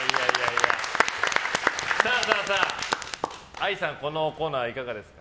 愛さん、このコーナーいかがですか？